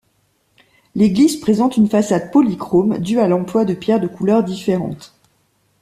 L'église présente une façade polychrome due à l'emploi de pierres de couleurs différentes.